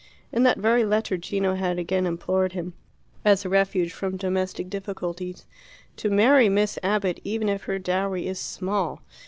In that very letter Gino had again implored him, as a refuge from domestic difficulties, "to marry Miss Abbott, even if her dowry is small."